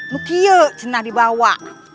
mungkin tidak dibawa